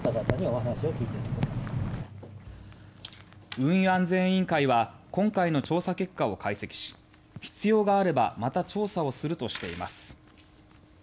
運輸安全委員会は今回の調査結果を解析し必要があればまた調査をするとしています。